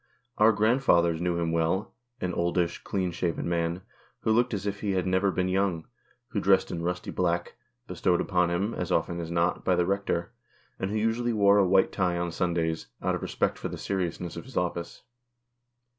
Our grandfathers knew him well — an oldish, clean shaven man, who looked as if he had never been young, who dressed in rusty black, bestowed upon him, as often as not^ by the Rector, and who usually wore a white tie on Sundays, out of respect for the seriousness of bis office.